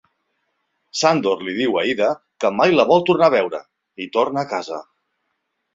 Sandor li diu a Ida que mai la vol tornar a veure, i torna a casa.